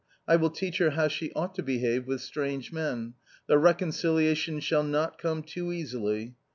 I will teach her how she vr 108 A COMMON STORY ought to behave with strange men ; the reconciliation shall not come too easily